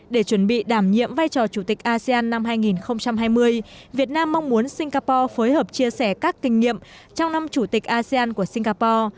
để chuẩn bị đảm nhiệm vai trò chủ tịch asean năm hai nghìn hai mươi việt nam mong muốn singapore phối hợp chia sẻ các kinh nghiệm trong năm chủ tịch asean của singapore